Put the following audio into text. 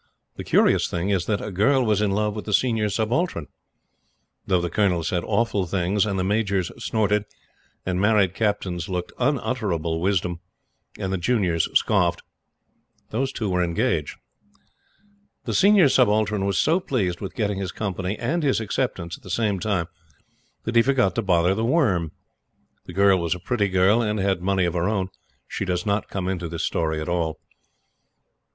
The curious thing is that a girl was in love with the Senior Subaltern. Though the Colonel said awful things, and the Majors snorted, and married Captains looked unutterable wisdom, and the juniors scoffed, those two were engaged. The Senior Subaltern was so pleased with getting his Company and his acceptance at the same time that he forgot to bother The Worm. The girl was a pretty girl, and had money of her own. She does not come into this story at all.